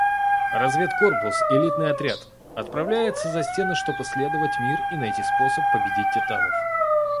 Разведкорпус, элитный отряд, отправляется за стены, чтобы исследовать мир и найти способ победить титанов.